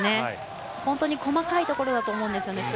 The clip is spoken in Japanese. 本当に細かいところだと思うんですよね。